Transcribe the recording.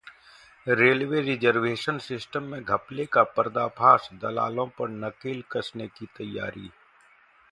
railway reservation system में घपले का पर्दाफाश, दलालों पर नकेल कसने की तैयारी